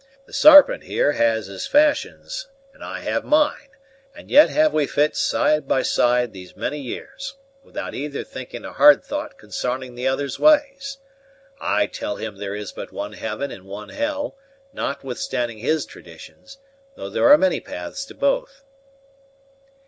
The Sarpent, here, has his fashions, and I have mine; and yet have we fi't side by side these many years; without either thinking a hard thought consarning the other's ways. I tell him there is but one heaven and one hell, notwithstanding his traditions, though there are many paths to both."